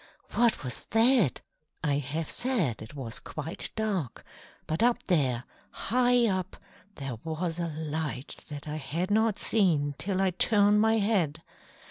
What was that? I have said it was quite dark, but up there, high up, there was a light that I had not seen till I turned my head.